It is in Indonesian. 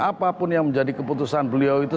apapun yang menjadi keputusan beliau itu